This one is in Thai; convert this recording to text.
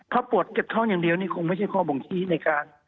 ถ้าปวดเจ็บท้องอย่างเดียวนี่คงไม่ใช่ข้อบ่งชี้ในการ